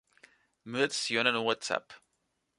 Me adiciona no WhatsApp